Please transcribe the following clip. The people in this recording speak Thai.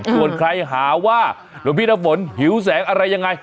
ส่วนใครหาว่าหลวงพี่น้ำฝนหิวแสงอะไรยังไง